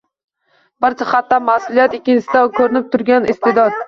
“Bir jihatdan ma’suliyat, ikkinchidan ko’rinib turgan iste’dod